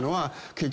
結局。